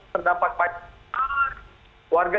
terdapat empat warga